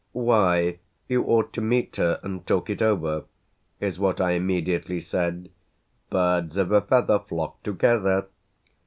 "Why, you ought to meet her and talk it over," is what I immediately said. "Birds of a feather flock together."